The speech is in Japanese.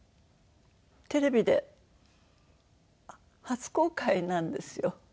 テレビで初公開なんですよ。